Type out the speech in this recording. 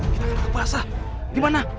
kita akan ke puasa dimana